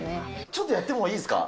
ちょっとやってもいいですか？